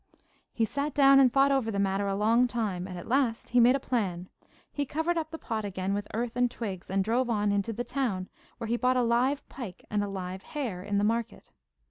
He sat down and thought over the matter a long time, and at last he made a plan. He covered up the pot again with earth and twigs, and drove on into the town, where he bought a live pike and a live hare in the market.